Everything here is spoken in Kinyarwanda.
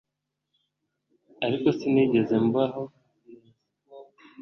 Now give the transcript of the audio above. ariko sinigeze mbaho neza